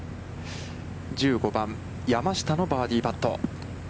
１５番、山下のバーディーパット。